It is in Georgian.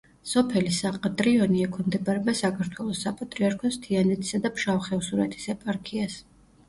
სოფელი საყდრიონი ექვემდებარება საქართველოს საპატრიარქოს თიანეთისა და ფშავ-ხევსურეთის ეპარქიას.